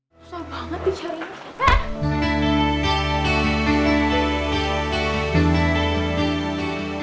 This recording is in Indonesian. susah banget dicariin